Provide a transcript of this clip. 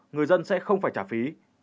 người dân sẽ không phải trả phí